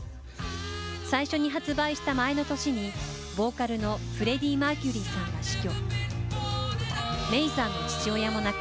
最初に発売した前の年に、ボーカルのフレディ・マーキュリーさんが死去。